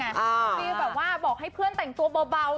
คือแบบว่าบอกให้เพื่อนแต่งตัวเบา